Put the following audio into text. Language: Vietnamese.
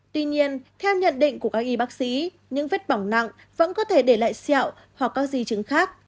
tuy nhiên theo nhận định của các y bác sĩ những vết bỏng nặng vẫn có thể để lại xẹo hoặc các di chứng khác